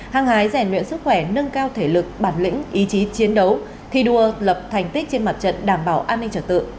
hăng hái rèn luyện sức khỏe nâng cao thể lực bản lĩnh ý chí chiến đấu thi đua lập thành tích trên mặt trận đảm bảo an ninh trật tự